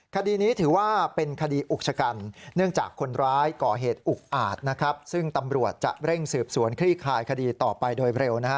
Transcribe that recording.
คดีนี้ถือว่าเป็นคดีอุกชะกันเนื่องจากคนร้ายก่อเหตุอุกอาจนะครับซึ่งตำรวจจะเร่งสืบสวนคลี่คายคดีต่อไปโดยเร็วนะฮะ